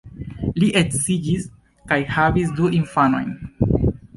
Li edziĝis kaj havis du infanojn.